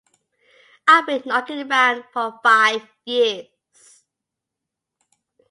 I've been knocking round for five years.